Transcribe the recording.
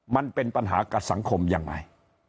มันเป็นปัญหากับสังคมยังไง